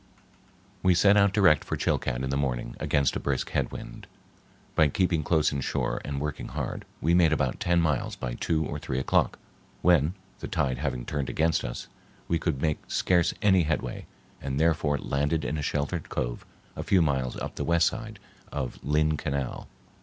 We set out direct for Chilcat in the morning against a brisk head wind. By keeping close inshore and working hard, we made about ten miles by two or three o'clock, when, the tide having turned against us, we could make scarce any headway, and therefore landed in a sheltered cove a few miles up the west side of Lynn Canal.